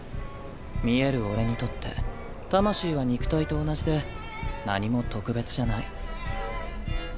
見える俺にとって魂は肉体と同じで何も特別じゃない。